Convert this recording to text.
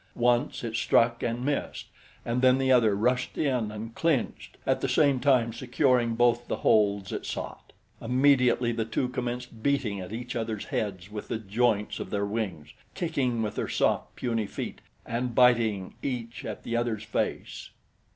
Once it struck and missed, and then the other rushed in and clinched, at the same time securing both the holds it sought. Immediately the two commenced beating at each other's heads with the joints of their wings, kicking with their soft, puny feet and biting, each at the other's face.